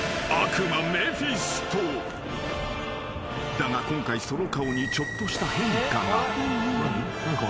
［だが今回その顔にちょっとした変化が］